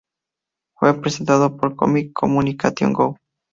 Fue representado por Comic Communication Co.